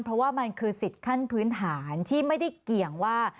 เพราะว่ามันคือสิทธิ์ขั้นพื้นฐานที่ไม่ได้เกี่ยงว่า